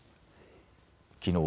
きのう